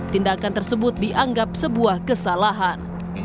tindakan tersebut dianggap sebuah kesalahan